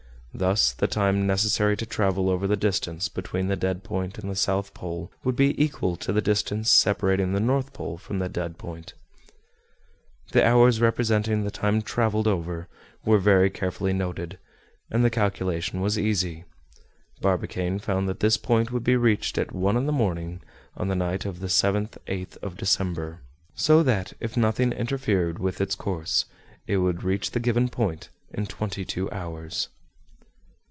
Thus the time necessary to travel over the distance between the dead point and the south pole would be equal to the distance separating the north pole from the dead point. The hours representing the time traveled over were carefully noted, and the calculation was easy. Barbicane found that this point would be reached at one in the morning on the night of the 7th 8th of December. So that, if nothing interfered with its course, it would reach the given point in twenty two hours.